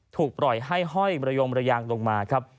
ถูกปล่อยให้ห้อยระยงระยางลงมาครับ